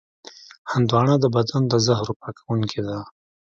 هندوانه د بدن د زهرو پاکوونکې ده.